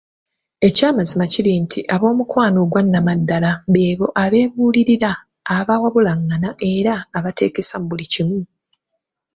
Ekyamazima kiri nti ob'omukwano ogwannamaddala beebo abeebuulirira, abawabulagana era abateekisa mu buli kimu.